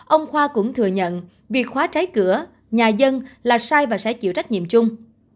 ông khoa cũng thừa nhận việc khóa trái cửa nhà dân là sai và sẽ chịu trách nhiệm chung